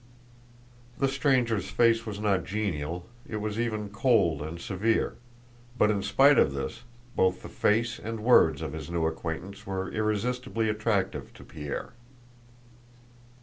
The stranger's face was not genial, it was even cold and severe, but in spite of this, both the face and words of his new acquaintance were irresistibly attractive to Pierre.